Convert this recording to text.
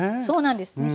そうなんです。